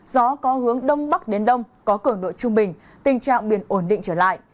gió có hướng đông bắc đến đông có cường độ trung bình tình trạng biển ổn định trở lại